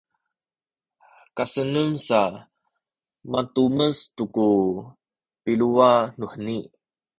kasenun sa matumes tu ku biluwa nuheni